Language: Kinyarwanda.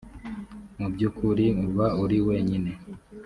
mu by’ukuri uba uri wenyine